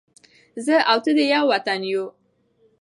زه او ته دې ېو وطن ېو